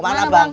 mau kemana bang